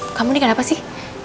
kamu nih kenapa sih